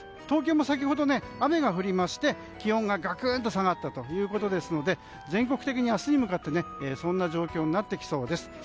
東京も先ほど、雨が降りまして気温がガクンと下がったということですので全国的に、明日に向かってそんな状況になってきそうです。